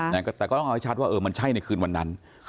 แต่ก็ต้องเอาให้ชัดว่าเออมันใช่ในคืนวันนั้น